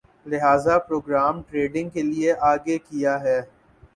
لہذا program trading کے لیے آگے کِیا ہے